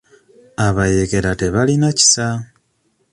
Abayeekera tebalina kisa.